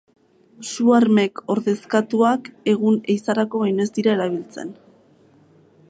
Su-armek ordezkatuak, egun ehizarako baino ez dira erabiltzen.